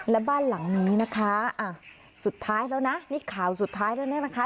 และบ้านหลังนี้นะคะสุดท้ายแล้วนะนี่ข่าวสุดท้ายแล้วเนี่ยนะคะ